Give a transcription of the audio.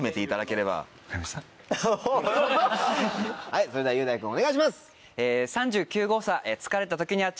はいそれでは雄大君お願いします！